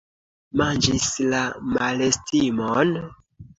Manĝis la malestimon?